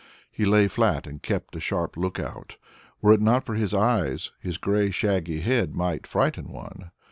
He lay flat and kept a sharp look out. Were it not for his eyes, his grey shaggy head might frighten one.